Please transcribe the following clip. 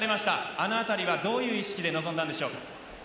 あの辺りは、どういう意識で臨んだんでしょう？